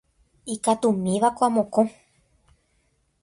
Ikatumívako amokõ.